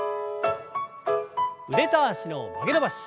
腕と脚の曲げ伸ばし。